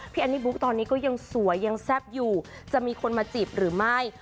แอนนี่บุ๊กตอนนี้ก็ยังสวยยังแซ่บอยู่จะมีคนมาจีบหรือไม่